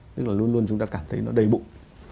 tức là luôn luôn chúng ta cảm thấy nó đầy bụng